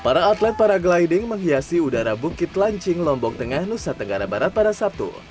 para atlet para gliding menghiasi udara bukit lancing lombok tengah nusa tenggara barat pada sabtu